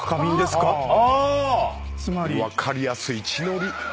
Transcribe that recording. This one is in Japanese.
分かりやすい血のり。